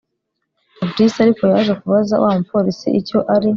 fabric ariko yaje kubaza wamupolice icyo ari